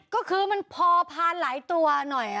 ก็คือมันพอพาหลายตัวหน่อย